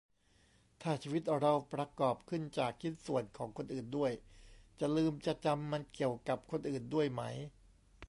ถ้าชีวิตเราประกอบขึ้นจากชิ้นส่วนของคนอื่นด้วย จะลืมจะจำมันเกี่ยวกับคนอื่นด้วยไหม